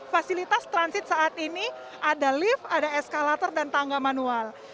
fasilitas transit saat ini ada lift ada eskalator dan tangga manual